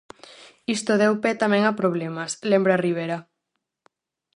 "Isto deu pé tamén a problemas", lembra Rivera.